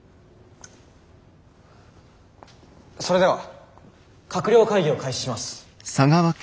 それでは閣僚会議を開始します。